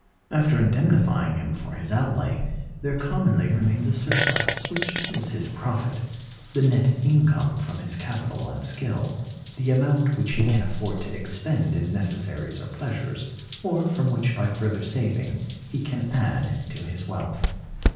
After indemnifying him for his outlay, there commonly remains a surplus, which is his profit; the net income from his capital [and skill]; the amount which he can afford to expend in necessaries or pleasures, or from which by further saving he can add to his wealth.